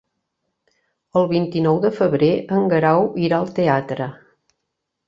El vint-i-nou de febrer en Guerau irà al teatre.